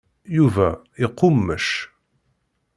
Yuba iqummec.